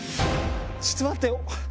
⁉ちょっと待って。